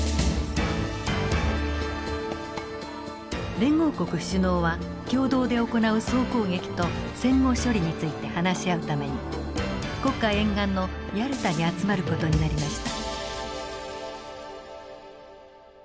連合国首脳は共同で行う総攻撃と戦後処理について話し合うために黒海沿岸のヤルタに集まる事になりました。